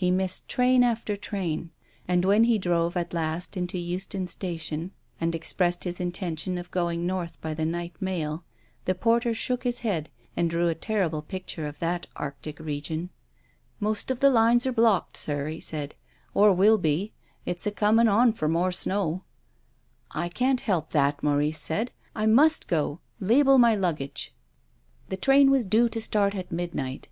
Me missed train after train, and when he drove at last into Euston Station and expressed his intention of going north by the night mail the porter shook his head and drew a terrible picture of that arctic region. •' Most of the lines are blocked, sir," he said, " or will be. It's a coming on for more snow." " I can't help that," Maurice said. " I must go. Label my luggage." 256 TONGUES OF CONSCIENCE. The train was due to start at midnight.